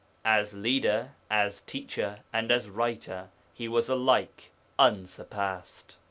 As leader, as teacher, and as writer he was alike unsurpassed.